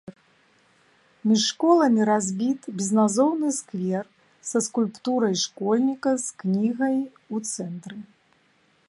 Між школамі разбіт безназоўны сквер са скульптурай школьніка з кнігай у цэнтры.